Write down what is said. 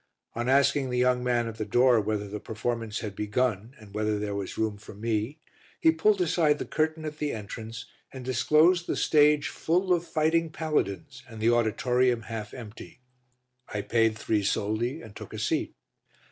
On asking the young man at the door whether the performance had begun and whether there was room for me, he pulled aside the curtain at the entrance and disclosed the stage full of fighting paladins and the auditorium half empty. I paid three soldi and took a seat.